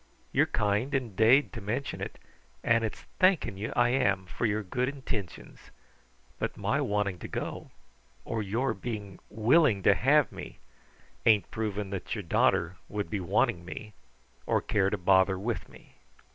You are kind, indade, to mention it, and it's thanking you I am for your good intintions, but my wanting to go or your being willing to have me ain't proving that your daughter would be wanting me or care to bother with me."